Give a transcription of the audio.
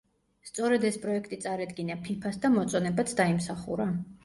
სწორედ ეს პროექტი წარედგინა ფიფას და მოწონებაც დაიმსახურა.